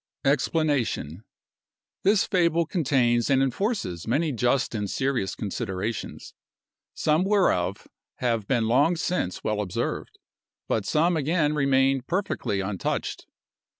EXPLANATION.—This fable contains and enforces many just and serious considerations; some whereof have been long since well observed, but some again remain perfectly untouched.